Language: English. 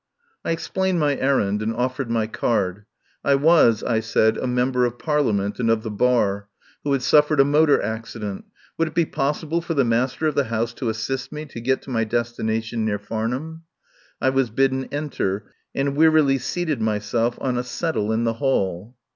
I explained my errand, and offered my card. I was, I said, a Member of Parlia ment and of the Bar, who had suffered a mo tor accident. Would it be possible for the master of the house to assist me to get to my destination near Farnham? I was bidden en ter, and wearily seated myself on a settle in the hall.